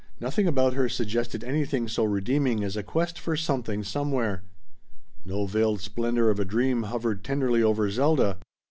Nothing about her suggested anything so redeeming as a quest for Something Somewhere. No veiled splendor of a dream hovered tenderly over Zelda.